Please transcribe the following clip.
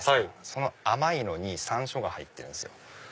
その甘いのに山椒が入ってるんですよ。